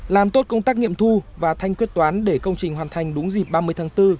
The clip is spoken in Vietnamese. làm tốt công tác nghiệm thu và thanh quyết toán để công trình hoàn thành đúng dịp ba mươi tháng bốn